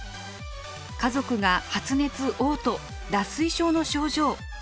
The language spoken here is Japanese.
家族が発熱おう吐脱水症の症状。